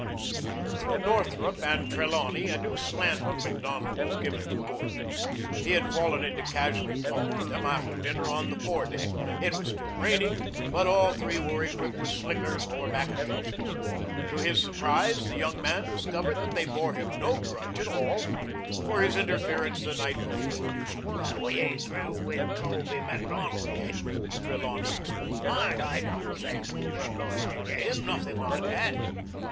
Through Northrup and Trelawney a new slant on Macdonald was given to Gordon. He had fallen into casual talk with them after dinner on the fore deck. It was still raining, but all three were equipped with slickers or mackintoshes. To his surprise the young man discovered that they bore him no grudge at all for his interference the night before. "But we ain't through with Colby Macdonald yet," Trelawney explained. "Mind, I don't say we're going to get him. Nothing like that.